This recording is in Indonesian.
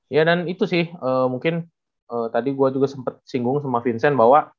ya dan itu sih mungkin tadi gue juga sempat singgung sama vincent bahwa